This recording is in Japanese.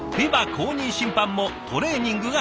公認審判もトレーニングが必要。